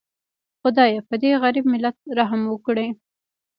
خدایه پدې غریب ملت رحم وکړي